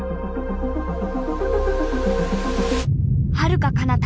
はるかかなた